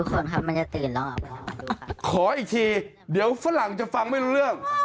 ขออีกทีเดี๋ยวฝรั่งจะฟังไม่รู้เรื่อง